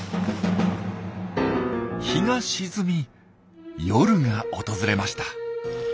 日が沈み夜が訪れました。